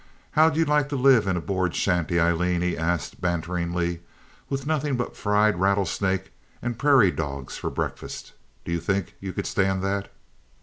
How'd you like to live in a board shanty, Aileen," he asked, banteringly, "with nothing but fried rattlesnakes and prairie dogs for breakfast? Do you think you could stand that?"